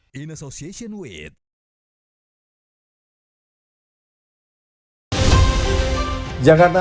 pemerintah provinsi dki jakarta menelan biaya hingga satu triliun rupiah